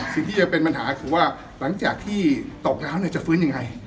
สิ่งที่จะเป็นปัญหาคือว่าหลังจากที่ตกแล้วจะฟื้นยังไง